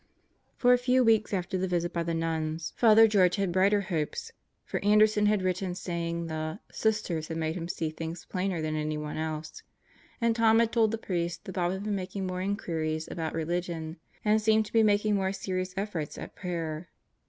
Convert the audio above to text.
For a few weeks after the visit by the nuns, Father George 76 God Goes to Murderers Row had brighter hopes; for Anderson had written saying the "Sisters had made him see things plainer than anyone else/ 7 and Tom had told the priest that Bob had been making more inquiries about religion and seemed to be making more serious efforts at prayer.